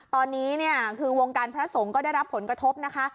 ตอนนี้เนี่ยคือวงการพระสงฆ์ก็ได้รับผลกระทบนะคะ